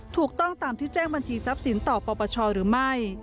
ถูกต้องตามที่แจ้งบัญชีทรัพย์สินต่อปปชหรือไม่